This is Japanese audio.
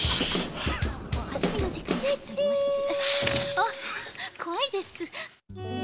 あっこわいです。